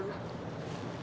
gue ada telepon nih bentar ya